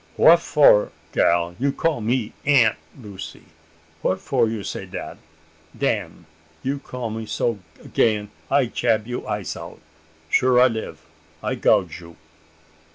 "Wha for, gal, you call me Aunt Lucy? Wha for you say dat? Dam! you call me so 'gain, I jab you eyes out. Sure I live, I gouge you!"